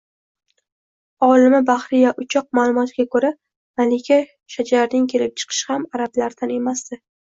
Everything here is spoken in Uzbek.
Olima Bahriya Uchoq ma'lumotiga ko‘ra, malika Shajarning kelib chiqishi ham arablardan emasdi